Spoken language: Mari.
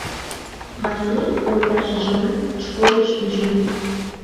Васли йолташыжымат школыш ӱжын.